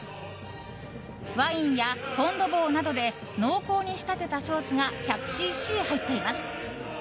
ワインやフォンドボーなどで濃厚に仕立てたソースが１００ｃｃ入っています。